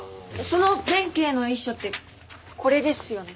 その弁慶の衣装ってこれですよね。